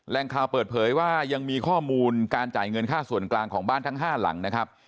แรงข่าวเปิดเผยว่ายังมีข้อมูลการจ่ายเงินค่าส่วนกลางของบ้านทั้ง๕หลังนะครับ